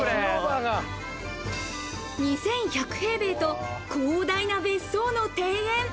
２１００平米と、広大な別荘の庭園。